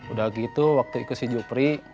udah gitu waktu ikut si jupri